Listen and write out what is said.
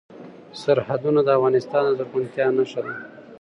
سرحدونه د افغانستان د زرغونتیا نښه ده.